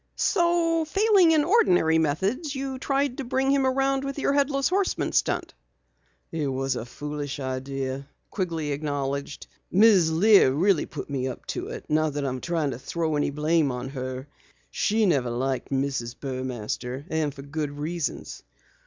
"So failing in ordinary methods, you tried to bring him around with your Headless Horseman stunt?" "It was a foolish idea," Quigley acknowledged. "Mrs. Lear really put me up to it not that I'm trying to throw any blame on her. She never liked Mrs. Burmaster, and for good reasons.